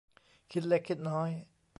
คิดเล็กคิดน้อย